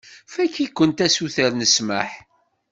Fakk-ikent asuter n ssmaḥ.